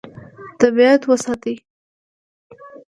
طبیعت وساتي.